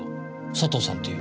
佐藤さんっていう。